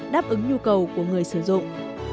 đáp ứng nhu cầu của người sử dụng